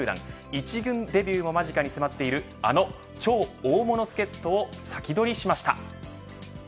一軍デビューも間近に迫っているあの超大物助っ人を先取りしました。